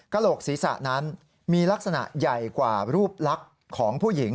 โหลกศีรษะนั้นมีลักษณะใหญ่กว่ารูปลักษณ์ของผู้หญิง